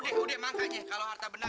udah udah makanya kalau harta benda